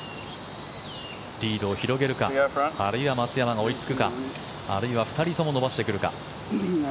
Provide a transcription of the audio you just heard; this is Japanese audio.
リードを広げるかあるいは松山が追いつくかあるいは２人とも伸ばしてくるか。